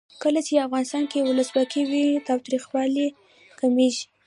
کله چې افغانستان کې ولسواکي وي تاوتریخوالی کمیږي.